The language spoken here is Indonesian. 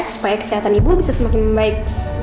supaya kesehatan ibu bisa semakin membaik